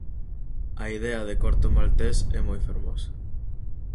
A idea de Corto Maltés é moi fermosa.